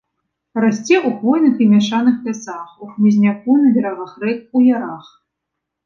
Расце ў хвойных і мяшаных лясах, у хмызняку на берагах рэк, у ярах.